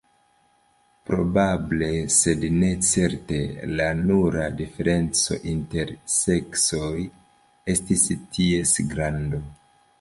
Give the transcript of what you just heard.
Probable, sed ne certe, la nura diferenco inter seksoj estis ties grando.